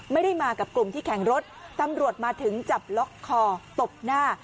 ไม่ได้มากับกลุ่มที่แข่งรถตำรวจมาถึงจับล็อกคอตบหน้า